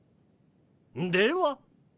では。